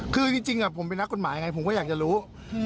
คือจริงผมเป็นนักกฎหมายไงผมก็อยากจะรู้